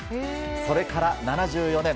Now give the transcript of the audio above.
それから７４年。